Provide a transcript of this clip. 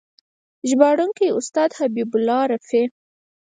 ژباړونکی: استاد حبیب الله رفیع